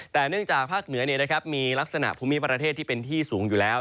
แต่เนื่องจากภาคเหนือมีลักษณะภูมิประเทศที่เป็นที่สูงอยู่แล้ว